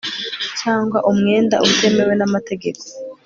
cyangwa umwenda utemewe namategeko